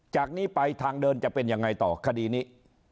จากนี้ไปทางเดินจะเป็นยังไงต่อคดีนี้